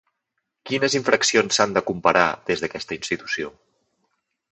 Quines infraccions s'han de comparar, des d'aquesta institució?